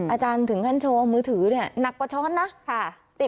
อาจารย์ถึงขั้นโชว์มือถือเนี่ยหนักกว่าช้อนนะ